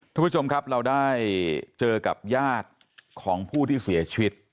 ทุกผู้ชมครับเราได้เจอกับญาติของผู้ที่เสียชีวิต